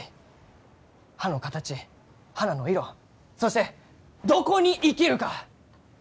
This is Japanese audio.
葉の形花の色そしてどこに生きるか！